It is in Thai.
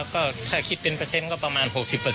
ก็ถ้าคิดเป็นเประเซ็นต์ก็ประมาณ๖๐เปอร์เซ็นต์